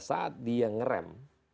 saat dia ngerem